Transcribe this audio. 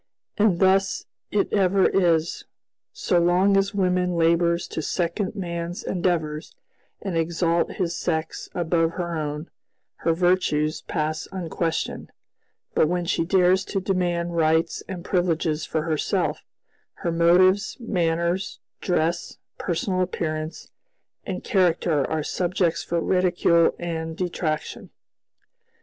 And thus it ever is: so long as woman labors to second man's endeavors and exalt his sex above her own, her virtues pass unquestioned; but when she dares to demand rights and privileges for herself, her motives, manners, dress, personal appearance, and character are subjects for ridicule and detraction.